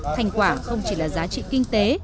thành quả không chỉ là giá trị kinh tế